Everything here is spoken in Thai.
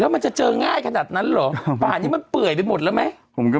มันจะเจอง่ายขนาดนั้นเหรอป่านี้มันเปื่อยไปหมดแล้วไหม